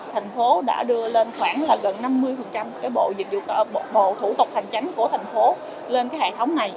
thành phố đã đưa lên khoảng gần năm mươi bộ thủ tục hành tránh của thành phố lên hệ thống này